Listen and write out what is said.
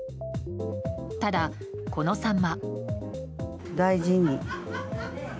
ただ、このサンマ。